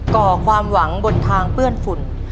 ก่อความหวังบนทางเปื้อนฝุ่น